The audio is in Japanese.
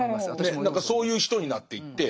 そういう人になっていって。